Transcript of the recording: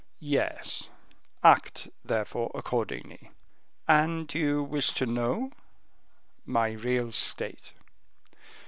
"Yes; act, therefore, accordingly." "And you wish to know?" "My real state."